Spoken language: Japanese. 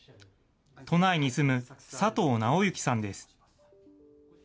都内に住む佐藤尚之さんです。